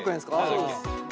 そうです。